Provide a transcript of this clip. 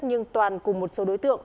nhưng toàn cùng một số đối tượng